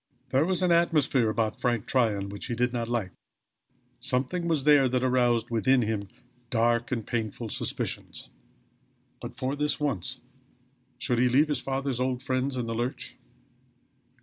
There was an atmosphere about Frank Tryon which he did not like; something was there that aroused within him dark and painful suspicions. But for this once should he leave his father's old friends in the lurch?